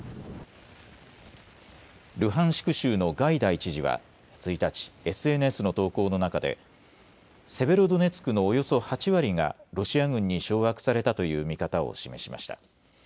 ルハンシク州のガイダイ知事は１日、ＳＮＳの投稿の中でセベロドネツクのおよそ８割がロシア軍に掌握されたという見方を示しました。